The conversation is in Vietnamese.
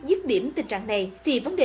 dứt điểm tình trạng này thì vấn đề